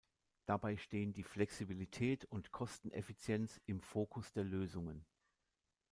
Dabei stehen die Flexibilität und Kosteneffizienz im Fokus der Lösungen.